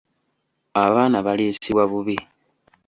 Abaana baliisibwa bubi.